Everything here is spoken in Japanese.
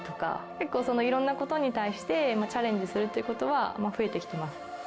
結構いろんなことに対してチャレンジするってことは増えてきてます。